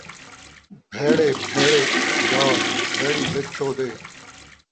بھیڑے بھیڑے یار، بھیڑی لچھو دے